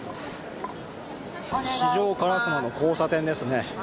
四条烏丸の交差点ですね。